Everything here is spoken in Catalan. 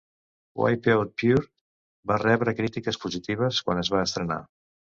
"Wipeout Pure" va rebre crítiques positives quan es va estrenar.